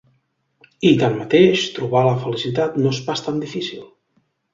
I, tanmateix, trobar la felicitat no és pas tan difícil.